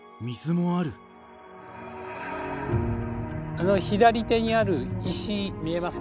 あの左手にある石見えますか？